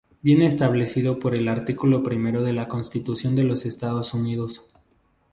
Viene establecido por el Artículo Primero de la Constitución de los Estados Unidos.